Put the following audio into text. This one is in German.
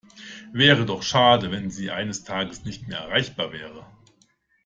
Wäre doch schade, wenn Sie eines Tages nicht mehr erreichbar wäre.